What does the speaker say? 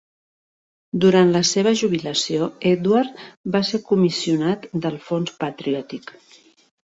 Durant la seva jubilació, Edward va ser comissionat del Fons Patriòtic.